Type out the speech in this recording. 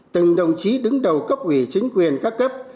từng đồng chí đứng đầu cấp ủy chính quyền các cấp